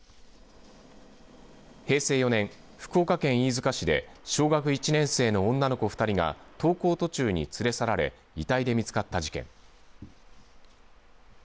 平成４年、福岡県飯塚市で小学１年生の女の子２人が登校途中に連れ去られ遺体で見つかった事件。